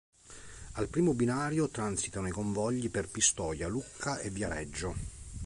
Al primo binario transitano i convogli per Pistoia, Lucca e Viareggio.